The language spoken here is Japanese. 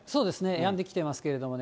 やんできていますけれどもね。